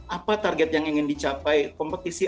apa target yang ingin dicapai kompetisi